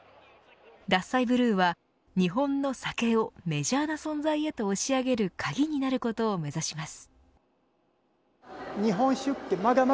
獺祭ブルーは、日本の酒をメジャーな存在へと押し上げる鍵になることを目指します。